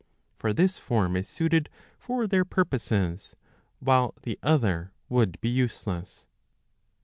For this form is suited for their purposes, while the other would be useless.